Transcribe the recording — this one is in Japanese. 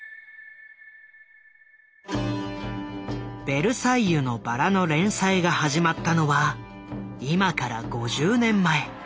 「ベルサイユのばら」の連載が始まったのは今から５０年前。